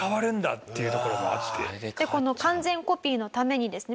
この完全コピーのためにですね